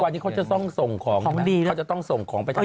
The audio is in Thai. วันนี้เขาจะต้องส่งของไปทางน้องคาย